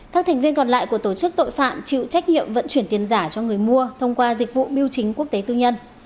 các thành viên còn lại của tổ chức tội phạm chịu trách nhiệm vận chuyển tiền giả cho người mua thông qua dịch vụ biêu chính quốc tế tư nhân